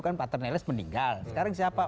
kan prater neles meninggal sekarang siapa